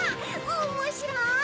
おもしろい！